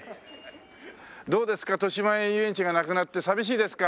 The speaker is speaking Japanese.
どうですか？としまえん遊園地がなくなって寂しいですか？